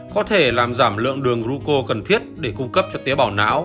có thể làm giảm lượng đường grouco cần thiết để cung cấp cho tế bào não